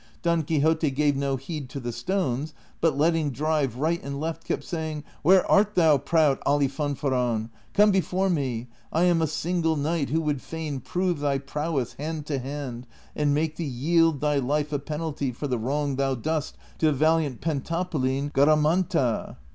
Don Quixote gave no heed to the stones, but, letting drive right and left, kept saying, " Where art thou, proud Alifanfaron ? Come before me ; I am a single knight who would fain prove thy prowess hand to hand, and make thee yield thy life a pen alty for the wrong thou dost to the valiant Pentapolin Gara manta."